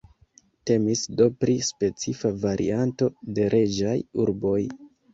Temis do pri specifa varianto de reĝaj urboj.